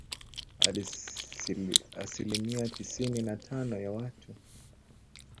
Asilimia tisini na tano ya watu